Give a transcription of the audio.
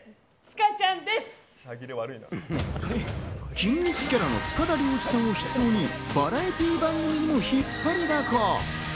筋肉キャラの塚田僚一さん筆頭にバラエティー番組にも引っ張りだこ。